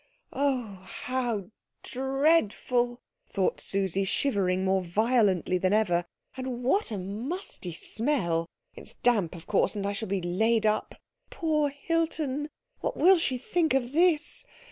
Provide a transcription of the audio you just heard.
"Oh, how dreadful!" thought Susie, shivering more violently than ever. "And what a musty smell it's damp, of course, and I shall be laid up. Poor Hilton! What will she think of this?